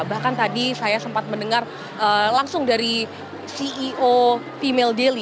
bahkan tadi saya sempat mendengar langsung dari ceo female daily